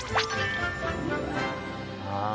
ああ。